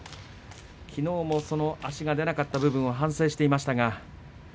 きのうも足がでなかった部分を反省していました。